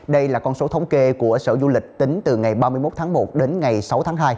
đây là con số thống kê của sở du lịch tính từ ngày ba mươi một tháng một đến ngày sáu tháng hai